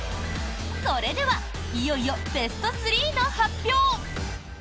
それではいよいよベスト３の発表。